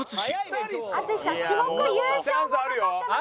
淳さん種目優勝も懸かってますよ